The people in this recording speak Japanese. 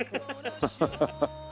ハハハハッ。